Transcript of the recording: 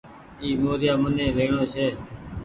اي موريآ مني ليڻو ڇي۔